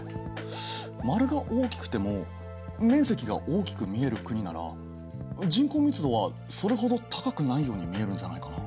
丸が大きくても面積が大きく見える国なら人口密度はそれほど高くないように見えるんじゃないかな？